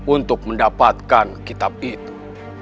untuk mendapatkan kitab itu